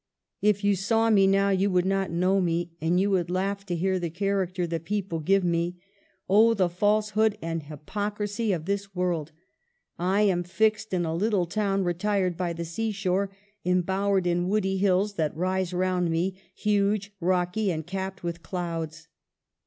"If you saw me now you would not know me, and you would laugh to hear the character the )eople give me. Oh, the falsehood and hypoc risy of this world ! I am fixed in a little town retired by the seashore, embowered in woody hills that rise round me, huge, rocky, and capped with clouds.